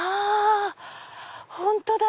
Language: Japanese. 本当だ！